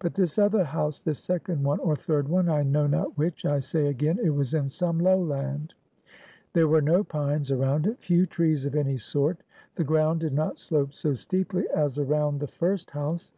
But this other house, this second one, or third one, I know not which, I say again it was in some lowland. There were no pines around it; few trees of any sort; the ground did not slope so steeply as around the first house.